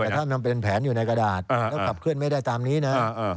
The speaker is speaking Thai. แต่ถ้ามันเป็นแผนอยู่ในกระดาษแล้วขับเคลื่อนไม่ได้ตามนี้นะ